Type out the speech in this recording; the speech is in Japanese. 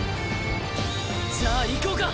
じゃあいこうか！